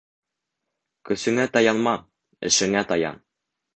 Көсөңә таянма, эшеңә таян.